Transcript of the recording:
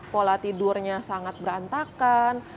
pola tidurnya sangat berantakan